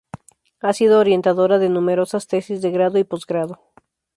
Ha sido orientadora de numerosas tesis de grado y posgrado.